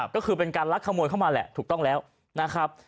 ก็คือเป็นการลักขโมยเข้ามาแหละถูกต้องแล้วนะครับ